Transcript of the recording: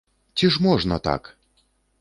Ці ж можна так?